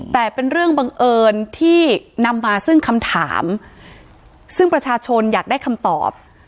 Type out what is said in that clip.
แต่เป็นเรื่องบังเอิญที่นำมาซึ่งคำถามซึ่งประชาชนอยากได้คำตอบ